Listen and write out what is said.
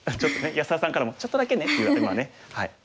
安田さんからも「ちょっとだけね」っていう。